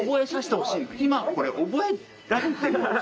今これ覚えられてる？